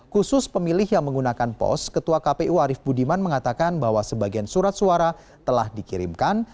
khusus pemilih yang menggunakan pos ketua kpu arief budiman mengatakan bahwa sebagian surat suara telah dikirimkan